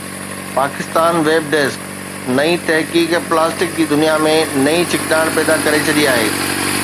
Pakistan web desk: نئين تحقيق plastic جي دنيا ۾ نئين ڇڪتاڻ پيدا ڪري ڇڏي آهي